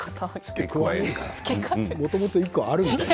もともと１個あるみたい。